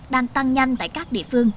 đang tăng nhanh tại các địa phương